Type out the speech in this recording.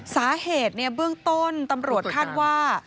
สาเหตุเบื้องต้นตำรวจคาดว่า